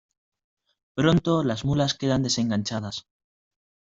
Pronto las mulas quedan desenganchadas.